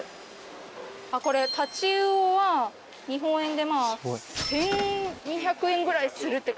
これタチウオは日本円で１２００円ぐらいするって感じ。